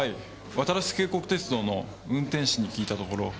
わたらせ渓谷鉄道の運転士に訊いたところ。